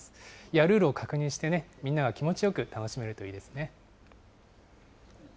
ルールを確認して、みんなが気持ちよく楽しめるといいですね。